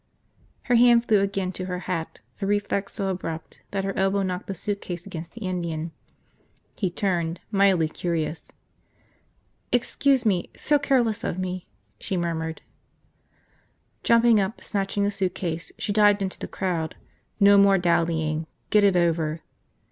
Her hand flew again to her hat, a reflex so abrupt that her elbow knocked the suitcase against the Indian. He turned, mildly curious. "Excuse me – so careless of me!" she murmured. Jumping up, snatching the suitcase, she dived into the crowd. No more dallying. Get it over.